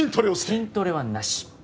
筋トレはなし。